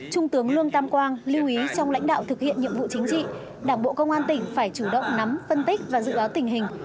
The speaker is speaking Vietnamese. trung tướng lương tam quang lưu ý trong lãnh đạo thực hiện nhiệm vụ chính trị đảng bộ công an tỉnh phải chủ động nắm phân tích và dự báo tình hình